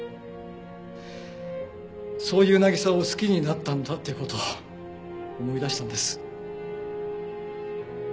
そういう渚を好きになったんだっていう事思い出したんです。